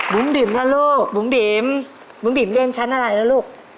บิ๋มนะลูกบุ๋มบิ๋มบุ๋มบิ๋มเล่นชั้นอะไรนะลูก